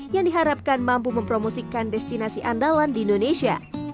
yang diharapkan mampu mempromosikan destinasi andalan di indonesia